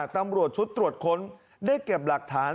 ตำรวจชุดตรวจค้นได้เก็บหลักฐาน